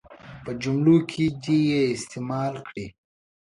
په جملو کې دې یې استعمال کړي.